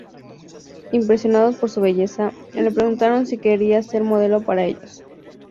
Impresionados por su belleza, le preguntaron si querría ser modelo para ellos.